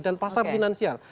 dan pasar finansial